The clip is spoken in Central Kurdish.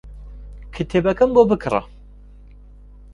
کتێبەکەم بۆ بکڕە.